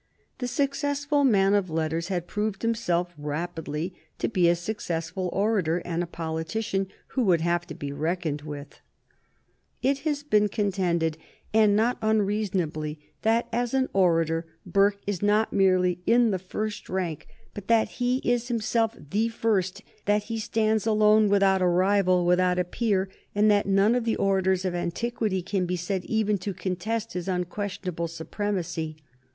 The successful man of letters had proved himself rapidly to be a successful orator and a politician who would have to be reckoned with. [Sidenote: 1766 The influence of Burke's career] It has been contended, and not unreasonably, that as an orator Burke is not merely in the first rank, but that he is himself the first, that he stands alone, without a rival, without a peer, and that none of the orators of antiquity can be said even to contest his unquestionable supremacy.